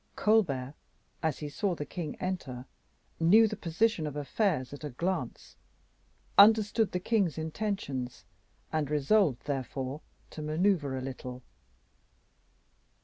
Colbert, as he saw the king enter, knew the position of affairs at a glance, understood the king's intentions, and resolved therefore to maneuver a little.